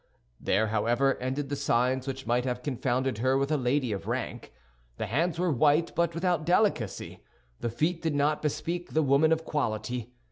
There, however, ended the signs which might have confounded her with a lady of rank. The hands were white, but without delicacy; the feet did not bespeak the woman of quality.